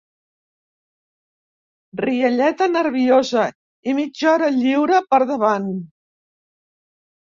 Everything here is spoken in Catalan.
Rialleta nerviosa i mitja hora lliure per davant.